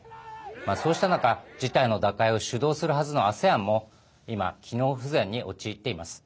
そうした中、事態の打開を主導するはずのＡＳＥＡＮも今、機能不全に陥っています。